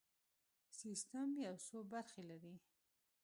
سیستم یو څو برخې لري.